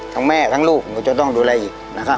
แม่ทั้งลูกหนูจะต้องดูแลอีกนะคะ